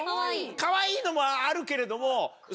かわいいのもあるけれども。